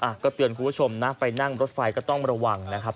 ก็เตือนคุณผู้ชมนะไปนั่งรถไฟก็ต้องระวังนะครับ